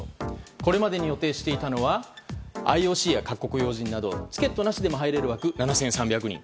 これまでに予定していたのはＩＯＣや各国要人などチケットなしでも入れる枠７３００人。